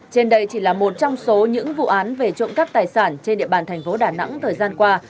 trên đây chỉ là một trong số những vụ án về trộm cắp tài sản trên địa bàn thành phố đà nẵng thời gian qua